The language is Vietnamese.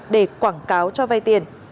để quảng cáo cho vay tiền